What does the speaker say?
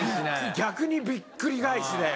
逆にびっくり返しだよ。